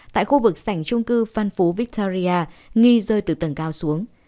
tại khu vực sảnh trung cư phan phú victoria nghi rơi từ tầng cao xuống